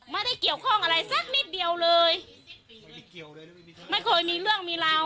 ไม่ได้เกี่ยวข้องอะไรสักนิดเดียวเลยไม่เคยมีเรื่องมีราว